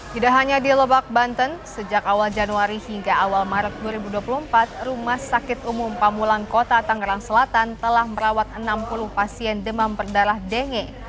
tidak hanya di lebak banten sejak awal januari hingga awal maret dua ribu dua puluh empat rumah sakit umum pamulang kota tangerang selatan telah merawat enam puluh pasien demam berdarah denge